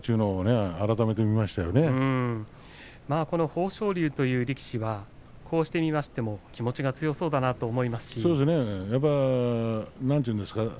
豊昇龍という力士はこうして見ますと気持ちが強そうな感じがしますね。